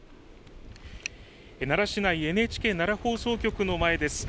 奈良市内、ＮＨＫ奈良放送局の前です。